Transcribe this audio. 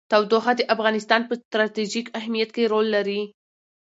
تودوخه د افغانستان په ستراتیژیک اهمیت کې رول لري.